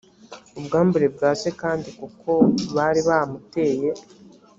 ubwambure bwa se kandi kuko bari bamuteye